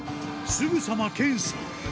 すぐさま検査。